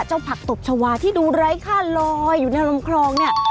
ผักตบชาวาที่ดูไร้ค่าลอยอยู่ในลำคลองเนี่ย